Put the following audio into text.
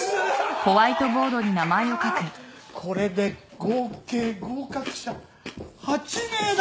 あこれで合計合格者８名だ。